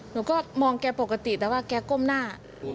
หนูก็มองแกปกติแต่ว่าแกก้มหน้า